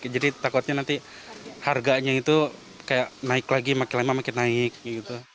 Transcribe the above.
jadi takutnya nanti harganya itu kayak naik lagi makin lama makin naik gitu